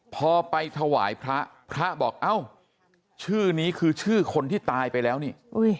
พอไปถวายพระพระบอกเอ้าชื่อนี้คือชื่อคนที่ตายไปแล้วนี่